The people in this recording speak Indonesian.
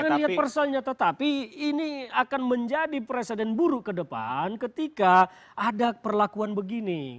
jangan dilihat personnya tetapi ini akan menjadi presiden buruk kedepan ketika ada perlakuan begini